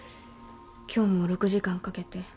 今日も６時間かけて？